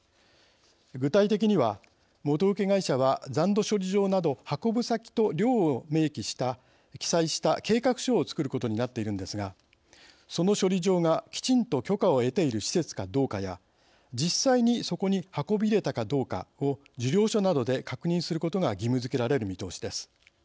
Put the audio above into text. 具体的には元請け会社は残土処理場など運ぶ先と量を記載した計画書を作ることになっているのですがその処理場がきちんと許可を得ている施設かどうかや実際にそこに運び入れたかどうかを受領書などで確認することが義務付けられる見通しです。